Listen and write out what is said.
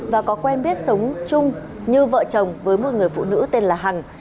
và có quen biết sống chung như vợ chồng với một người phụ nữ tên là hằng